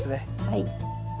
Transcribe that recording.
はい。